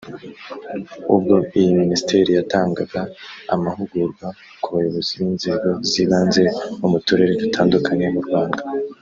ubwo iyi Minisiteri yatangaga amahugurwa ku bayobozi b’inzego z’ibanze bo mu turere dutandukanye mu Rwanda